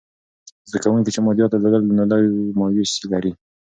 زده کوونکي چې مادیات درلودل، نو لږ مایوسې لري.